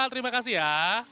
terima kasih ya